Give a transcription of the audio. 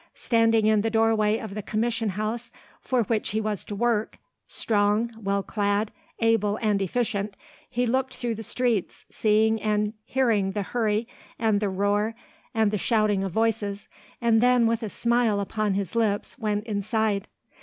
Standing in the doorway of the commission house for which he was to work, strong, well clad, able and efficient, he looked through the streets, seeing and hearing the hurry and the roar and the shouting of voices, and then with a smile upon his lips went inside.